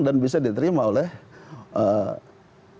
dan bisa diterima oleh komisi tiga